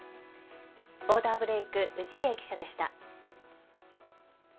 ボーダーブレイク、氏家記者でした。